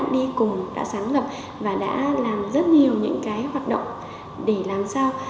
đi cùng đã sáng lập và đã làm rất nhiều những cái hoạt động để làm sao